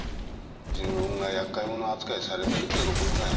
自分が厄介者扱いされてるってことぐらい。